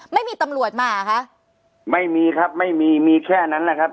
ไม่มีตำรวจมาเหรอคะไม่มีครับไม่มีมีแค่นั้นแหละครับ